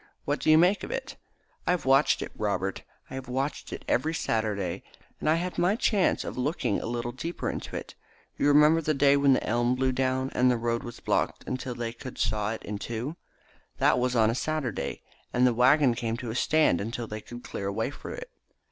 What do you make of it?" "I have watched it, Robert I have watched it every Saturday, and I had my chance of looking a little deeper into it. You remember the day when the elm blew down, and the road was blocked until they could saw it in two. That was on a Saturday, and the waggon came to a stand until they could clear a way for it.